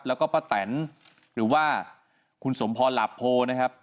แล้วก็ป้าแตนหรือว่าคุณสมพรหลาโพนะครับ